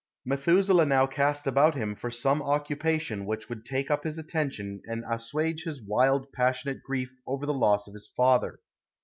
Methuselah now cast about him for some occupation which would take up his attention and assuage his wild, passionate grief over the loss of his father.